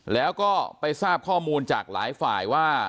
แล้วก็ไปทราบข้อมูลจากหลายฝ่ายว่า